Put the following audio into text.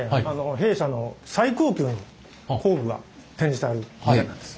弊社の最高級の工具が展示されてる部屋なんです。